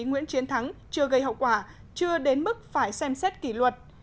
nguyễn chiến thắng chưa gây hậu quả chưa đến mức phải xem xét kỷ luật